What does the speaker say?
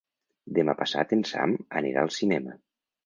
Demà passat en Sam anirà al cinema.